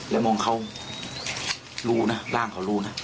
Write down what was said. แล้วมองเขารู้นะร่างเขารู้นะ